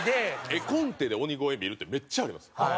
絵コンテで鬼越見るってめっちゃあります。